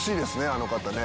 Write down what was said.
あの方ね。